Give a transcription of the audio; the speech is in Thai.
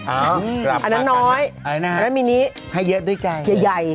อันนั้นน้อยอะไรนะครับอันนั้นมีนี้ให้เยอะด้วยใจใหญ่ใหญ่